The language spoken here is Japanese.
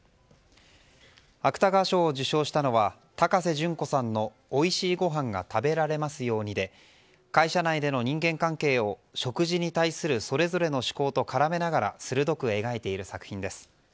芥川賞を受賞したのは高瀬隼子さんの「おいしいごはんが食べられますように」で会社内での人間関係を食事に対するそれぞれの思考と絡めながら鋭く描いている作品です。